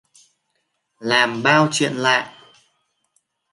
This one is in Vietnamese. Làm bao chuyện lạ